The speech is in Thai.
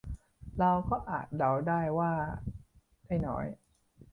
เราก็อาจเดาได้ว่าได้น้อย